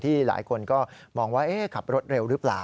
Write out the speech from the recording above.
หลายคนก็มองว่าขับรถเร็วหรือเปล่า